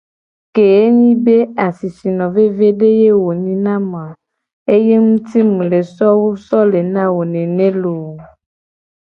Ke enyi be asisino vevede ye wo nyi na mu a ye nguti mu le so wo na wo nene looo.